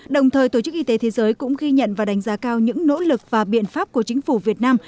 đồng thời tổ chức y tế thế giới cũng ghi nhận và đánh giá cao những nỗ lực và biện pháp của chính phủ việt nam